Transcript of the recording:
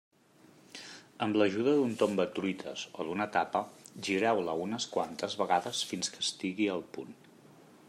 Amb l'ajuda d'un tombatruites o d'una tapa, gireu-la unes quantes vegades fins que estigui al punt.